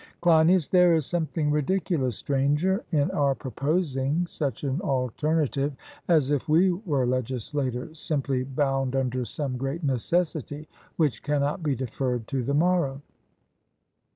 CLEINIAS: There is something ridiculous, Stranger, in our proposing such an alternative, as if we were legislators, simply bound under some great necessity which cannot be deferred to the morrow.